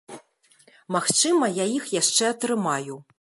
Магчыма, я іх яшчэ атрымаю.